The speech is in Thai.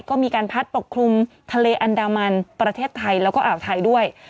ก็มีการพัดปกคลุมทะเลอันดามันประเทศไทยแล้วก็อ่าวไทยด้วย